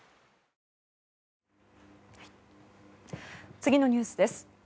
次のニュースです。